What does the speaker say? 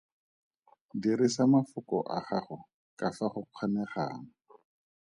Dirisa mafoko a gago ka fa go kgonegang.